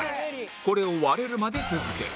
これを割れるまで続ける